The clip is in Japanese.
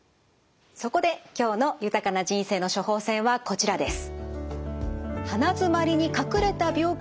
そこで今日の豊かな人生の処方せんはこちらです。